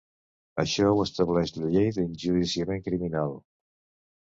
Així ho estableix la llei d’enjudiciament criminal.